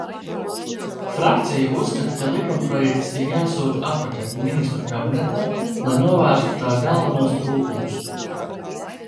Frakcija uzskata, ka likumprojekts ir jāsūta atpakaļ Ministru kabinetam, lai novērstu tā galvenos trūkumus.